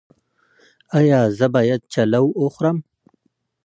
ایا زه باید چلو وخورم؟